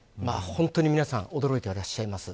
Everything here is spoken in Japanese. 本当に皆さん驚いていらっしゃいます。